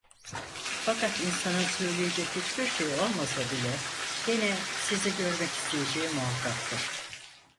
Fakat insanın söyleyecek hiçbir şeyi olmasa bile gene sizi görmek isteyeceği muhakkaktır.